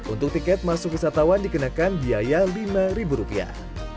untuk tiket masuk wisatawan dikenakan biaya lima ribu rupiah